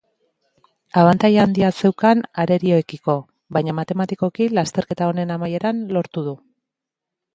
Abantaila handia zeukan arerioekiko, baina matematikoki lasterketa honen amaieran lortu du.